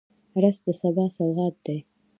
رس د سبا سوغات دی